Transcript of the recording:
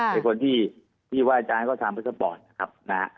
เป็นคนที่ว่ายจ้างก็ทำพัฒนบอร์ดนะครับ